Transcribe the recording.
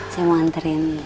saya mau antarin